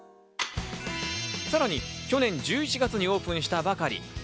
さらに去年１１月にオープンしたばかり。